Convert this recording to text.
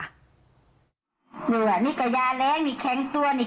เหลืองี่ก็ยาแรงนี่แข็งตัวนี่